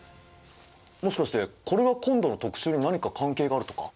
もしかしてこれが今度の特集に何か関係があるとか？